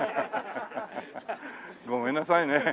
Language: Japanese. ごめんなさいね。